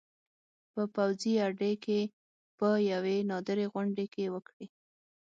په پوځي اډې کې په یوې نادرې غونډې کې وکړې